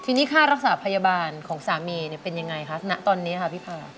ทีนี้ค่ารักษาพยาบาลของสามีเป็นยังไงคะณตอนนี้ค่ะพี่พา